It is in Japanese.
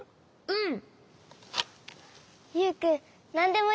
うん。